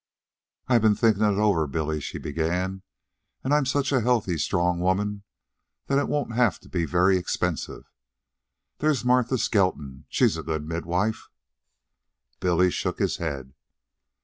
"I've been thinking it over, Billy," she began, "and I'm such a healthy, strong woman that it won't have to be very expensive. There's Martha Skelton she's a good midwife." But Billy shook his head.